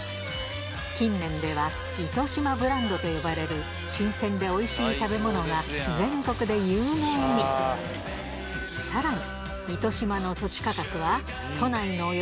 近年では糸島ブランドと呼ばれる新鮮でおいしい食べ物が全国で有名にさらに